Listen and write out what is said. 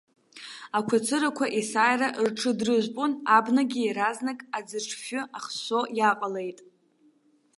Ақәацырақәа есааира рҽыдрыжәпон, абнагьы иаразнак аӡырш-фҩы ахшәшәо иааҟалеит.